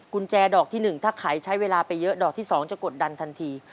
กุญแจดอกที่๑ถ้าใครใช้เวลาไปเยอะดอกที่๒จะกดดันทันที